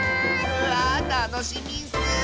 わあたのしみッス！